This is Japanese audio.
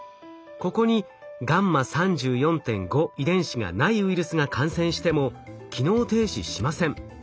ここにγ３４．５遺伝子がないウイルスが感染しても機能停止しません。